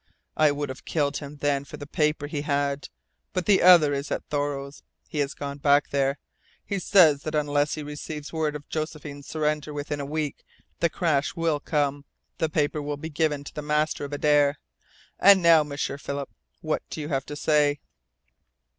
I would have killed him then for the paper he had, but the other is at Thoreau's. He has gone back there. He says that unless he receives word of Josephine's surrender within a week the crash will come, the paper will be given to the master of Adare. And now, M'sieur Philip, what do you have to say?"